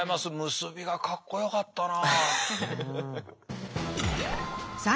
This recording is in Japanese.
結びがかっこよかったな。